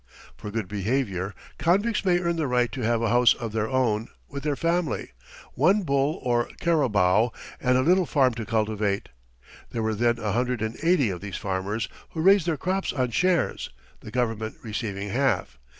For good behaviour, convicts may earn the right to have a house of their own, with their family, one bull or carabao, and a little farm to cultivate. There were then a hundred and eighty of these farmers, who raised their crops on shares, the government receiving half.